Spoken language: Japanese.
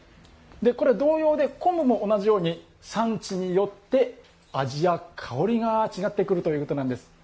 これ、同様で昆布も同じように産地によって味や香りが違ってくるということなんです。